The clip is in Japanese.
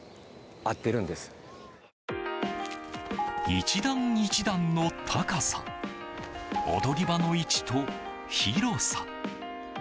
１段１段の高さ踊り場の位置と広さ。